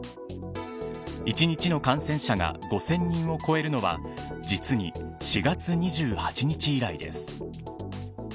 一日の感染者が５０００人を超えるのは実に４月２８日以来です。